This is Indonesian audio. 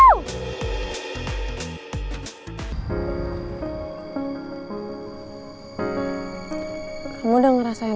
kamu udah ngerasa enakan